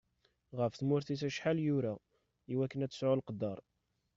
Ɣef tmurt-is acḥal yura, i wakken ad tesɛu leqder.